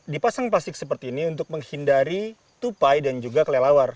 dipasang plastik seperti ini untuk menghindari tupai dan juga kelelawar